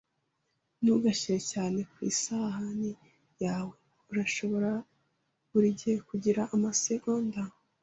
Ntugashyire cyane ku isahani yawe! Urashobora buri gihe kugira amasegonda. )